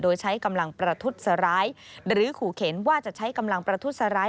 โดยใช้กำลังประทุษร้ายหรือขู่เข็นว่าจะใช้กำลังประทุษร้าย